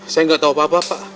saya gak tau apa apa pak